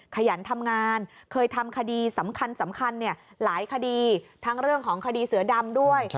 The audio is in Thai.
ขยันทำงานเคยทำคดีสำคัญหลายคดีทั้งเรื่องของคดีเสือดำด้วย